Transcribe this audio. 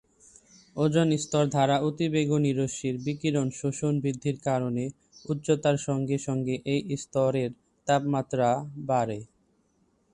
Ozone স্তর দ্বারা অতিবেগুনি রশ্মির বিকিরণ শোষণ বৃদ্ধির কারণে উচ্চতার সঙ্গে সঙ্গে এই স্তরের তাপমাত্রা বাড়ে।